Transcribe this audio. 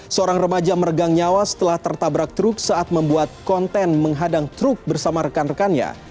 seorang remaja meregang nyawa setelah tertabrak truk saat membuat konten menghadang truk bersama rekan rekannya